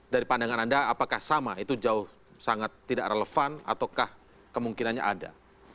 dari pandangan anda apakah sama itu jauh sangat tidak relevan ataukah kemungkinannya ada